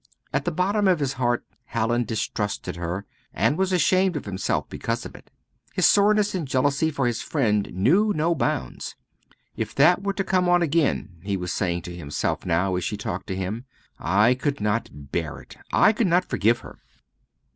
At the bottom of his heart Hallin distrusted her, and was ashamed of himself because of it. His soreness and jealousy for his friend knew no bounds. "If that were to come on again" he was saying to himself now, as she talked to him "I could not bear it, I could not forgive her!"